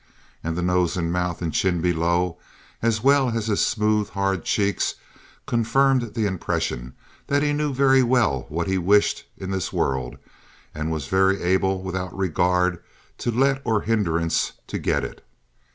And the nose and mouth and chin below, as well as his smooth, hard cheeks, confirmed the impression that he knew very well what he wished in this world, and was very able without regard to let or hindrance to get it.